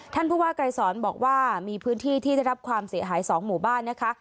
ท่านผู้ว่าไกรสอนบอกว่ามีพื้นที่ที่ได้รับความเสียหาย๒หมู่บ้านนะคะ